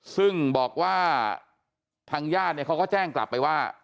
ซึ่งบอกว่าทางญาติเนี่ยเขาก็แจ้งกลับไปว่า